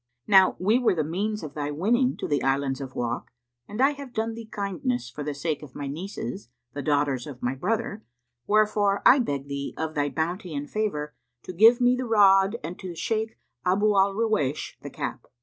Now we were the means of thy winning to the Islands of Wak, and I have done thee kindness for the sake of my nieces, the daughters of my brother; wherefore I beg thee, of thy bounty and favour, to give me the rod and the Shaykh Abu al Ruwaysh the cap."